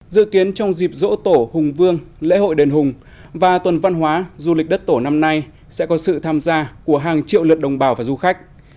dự kiến trong dịp dỗ tổ hùng vương lễ hội đền hùng và tuần văn hóa du lịch đất tổ năm nay sẽ có sự tham gia của hàng triệu lượt đồng bào và du khách